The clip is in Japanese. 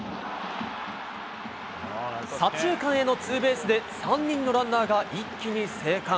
左中間へのツーベースで３人のランナーが一気に生還。